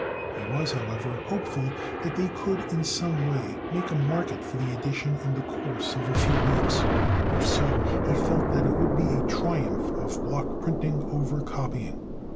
He was, however, hopeful that they could in some way make a market for the edition in the course of a few weeks. If so, he felt that it would be a triumph of block printing over copying.